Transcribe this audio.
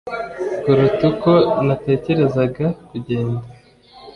kuruta uko natekerezaga kugenda